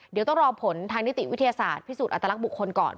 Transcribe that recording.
เดี๋ยวต้องรอผลทางนิติวิทยาศาสตร์พิสูจนอัตลักษณ์บุคคลก่อน